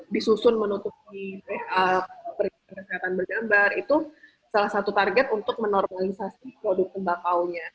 disusun menutupi perikatan berjambar itu salah satu target untuk menormalisasi produk tembakau nya